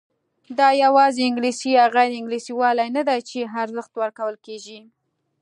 دا یوازې انګلیسي یا غیر انګلیسي والی نه دی چې ارزښت ورکول کېږي.